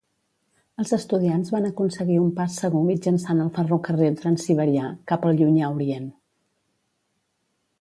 Els estudiants van aconseguir un pas segur mitjançant el ferrocarril Transsiberià, cap al Llunyà Orient.